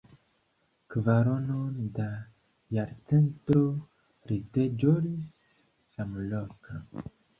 Kvaronon da jarcento li deĵoris samloke.